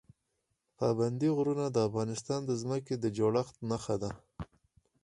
پابندی غرونه د افغانستان د ځمکې د جوړښت نښه ده.